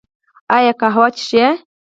ایا قهوه څښئ؟